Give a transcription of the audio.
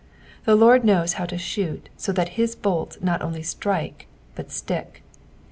Tlie Lord knows how to shoot so that his boles not only strike but stick.